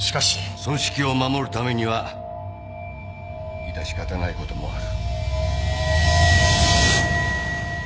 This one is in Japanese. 組織を守るためには致し方ない事もある。